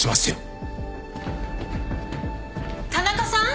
田中さん？